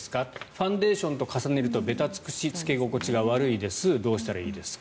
ファンデーションと重ねるとべたつくし、つけ心地が悪いですどうしたらいいですか。